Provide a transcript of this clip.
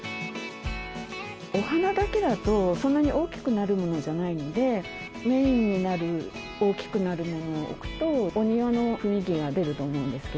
お花だけだとそんなに大きくなるものじゃないのでメインになる大きくなるものを置くとお庭の雰囲気が出ると思うんですけど。